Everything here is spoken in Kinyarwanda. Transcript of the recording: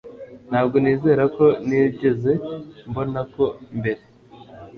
Ntabwo nizera ko ntigeze mbona ko mbere